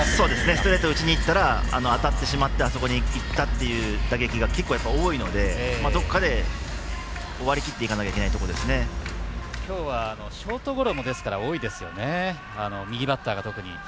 ストレートを打ちにいったら当たってしまって、あそこにいったっていう打撃が結構、多いのでどこかで割り切っていかなきゃ今日はショートゴロも多いですよね、右バッターが特に。